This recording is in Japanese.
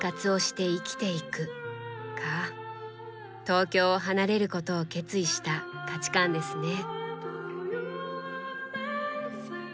東京を離れることを決意した価値観ですね。